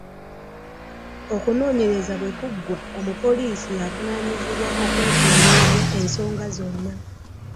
Okunoonyereza bwekuggwa, omupoliisi avunanyizibwa yekeneenya ensonga zonna.